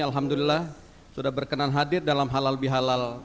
alhamdulillah sudah berkenan hadir dalam halal bihalal